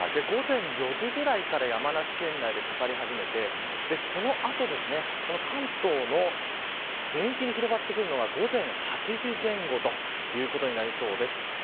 午前４時ぐらいから山梨県内でかかり始めてその後、この関東の全域に広がってくるのが午前８時前後ということになりそうです。